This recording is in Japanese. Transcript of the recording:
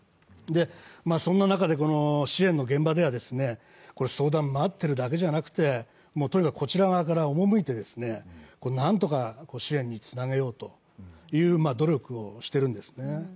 そんな中で支援の現場では、相談を待っているだけじゃなくてとにかくこちら側から赴いて何とか支援につなげようという努力をしているんですね。